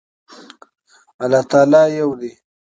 الله تعالی يو ده